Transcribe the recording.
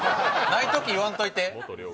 ないとき、言わんといて。